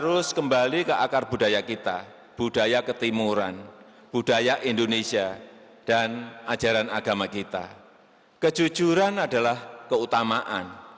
opek opera ataupun para ypa telahever